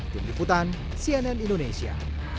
dari kiputan cnn indonesia